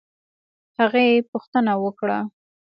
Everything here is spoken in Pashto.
هغې پوښتنه وکړه